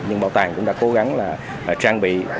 nhưng bảo tàng cũng đã cố gắng trang bị